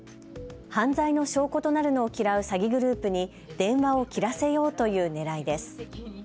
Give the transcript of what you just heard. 犯罪の証拠となるのを嫌う詐欺グループに電話を切らせようというねらいです。